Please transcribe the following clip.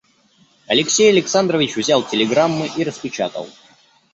Алексей Александрович взял телеграммы и распечатал.